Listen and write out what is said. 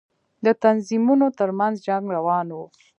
د تنظيمونو تر منځ جنگ روان و.